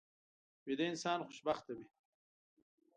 ویده انسان خوشبخته وي